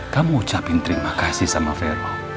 kamu ucapin terima kasih sama vero